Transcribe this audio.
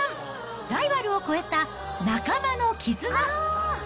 ライバルを超えた仲間の絆。